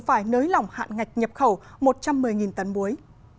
phải nới lỏng hạn ngạch nhập khẩu một trăm một mươi tấn muối